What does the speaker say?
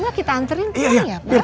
sekarang themes hai let's